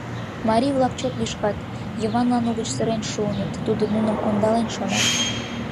Марий-влак чот лӱшкат, Йыванлан угыч сырен шуыныт, тудо нуным ондален, шонат.